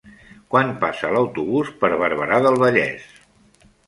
Quan passa l'autobús per Barberà del Vallès?